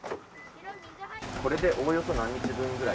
これでおおよそ何日分ぐらい？